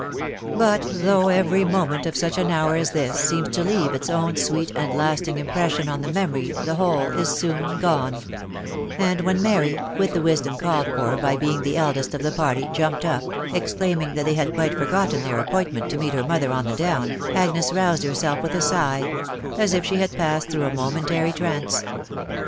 But though every moment of such an hour as this seems to leave its own sweet and lasting impression on the memory the whole is soon gone ; and when Mary, with the wisdom called for by being the eldest of the party, jumped up, exclaiming that they had quite forgotten their appointment to meet her mo ther on the down, Agnes roused herself with a sigh, as if she had passed through a momentary trance.